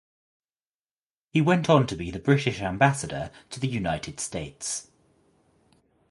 He went on to be the British Ambassador to the United States.